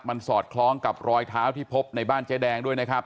มันสอดคล้องกับรอยเท้าที่พบในบ้านเจ๊แดงด้วยนะครับ